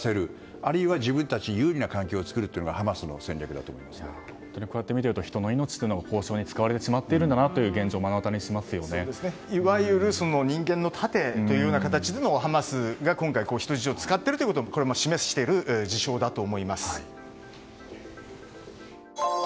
あるいは自分たちに有利な環境を作るのが本当にこうやって見ていると人の命が交渉に使われてしまっているといういわゆる人間の盾という形でハマスが今回、人質を使っているということを示している事象だと思います。